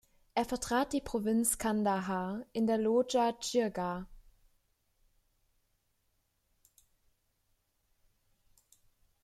Er vertrat die Provinz Kandahar in der Loja Dschirga.